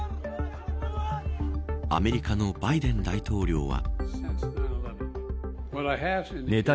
アメリカのバイデン大統領は。